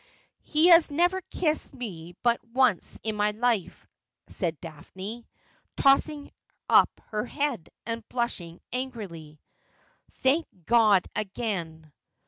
' He has never kissed me but once in my life,' said Daphne, tossing up her head, and blushing angrily. ' Thank God again.'